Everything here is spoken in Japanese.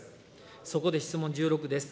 そこで質問１６です。